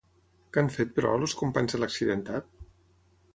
Què han fet, però, els companys de l'accidentat?